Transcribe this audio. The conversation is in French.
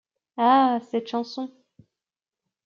Ah cette chanson.